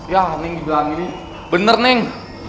ya neng dibilang ini bener neng